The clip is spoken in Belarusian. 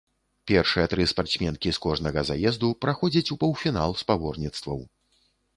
Першыя тры спартсменкі з кожнага заезду праходзяць у паўфінал спаборніцтваў.